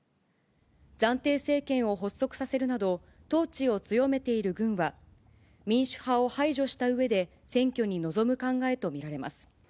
暫定政権を発足させるなど、統治を強めている軍は、民主派を排除したうえで選挙に臨む考えと見られます。